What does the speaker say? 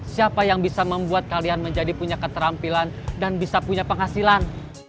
siapa yang bisa membuat kalian menjadi punya keterampilan dan bisa punya penghasilan